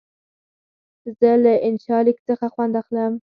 زه له انشا لیک څخه خوند اخلم.